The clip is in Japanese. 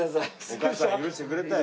お母さん許してくれたよ。